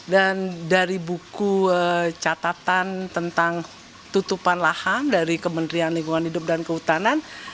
dan dari buku catatan tentang tutupan lahan dari kementerian lingkungan hidup dan kehutanan